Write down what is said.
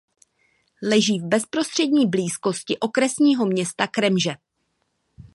Leží v bezprostřední blízkosti okresního města Kremže.